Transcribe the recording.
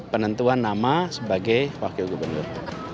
penentuan nama sebagai wakil gubernur